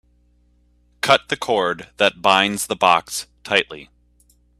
Cut the cord that binds the box tightly.